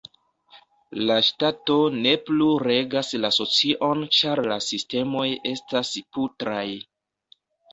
La ŝtato ne plu regas la socion ĉar la sistemoj estas putraj.